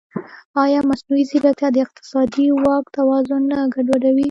ایا مصنوعي ځیرکتیا د اقتصادي واک توازن نه ګډوډوي؟